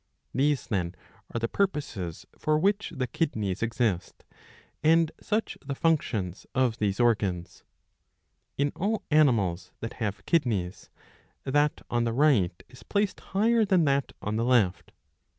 These then are the purposes for which the kidneys exist, and such the functions of these organs. In all animals that have kidneys, that on the right is placed higher than that on the left.